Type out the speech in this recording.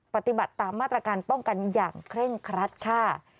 ปฏิบัติตามมาตรการป้องกันอย่างเคร่งครัดค่ะ